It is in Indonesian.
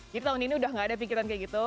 jadi tahun ini udah gak ada pikiran kayak gitu